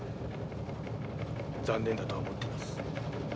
残念だとは思ってます。